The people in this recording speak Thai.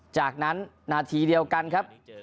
จากนั้นนาทีเดียวกันครับ